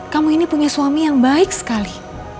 kamu ini punya suami yang baik sekali